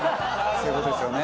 そういう事ですよね。